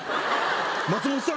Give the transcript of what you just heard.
松本さん